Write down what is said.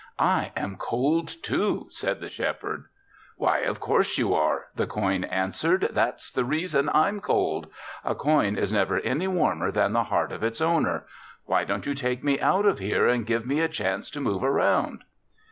"I am cold, too!" said the Shepherd. "Why, of course you are," the coin answered. "That's the reason I'm cold. A coin is never any warmer than the heart of its owner. Why don't you take me out of here and give me a chance to move around?"